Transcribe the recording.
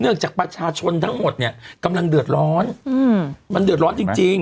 จากประชาชนทั้งหมดเนี่ยกำลังเดือดร้อนมันเดือดร้อนจริง